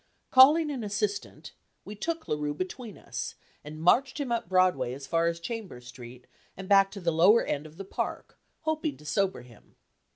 Calling an assistant, we took La Rue between us, and marched him up Broadway as far as Chambers Street, and back to the lower end of the Park, hoping to sober him.